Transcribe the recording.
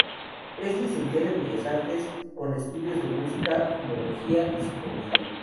Es licenciada en Bellas Artes, con estudios de música, filología y psicología.